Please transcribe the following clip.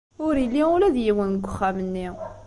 Ur yelli ula d yiwen deg uxxam-nni.